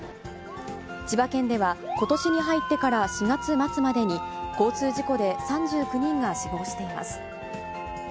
千葉県では、ことしに入ってから４月末までに、交通事故で３９人が死亡しています。